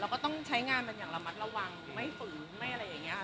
และก็ต้องใช้งานระมัดระวังไม่ฝืนไม่อะไรอย่างนี้